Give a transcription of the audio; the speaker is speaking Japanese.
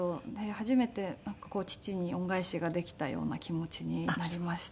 初めて父に恩返しができたような気持ちになりましたね。